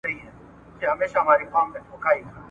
او پیر بابا پخپله !.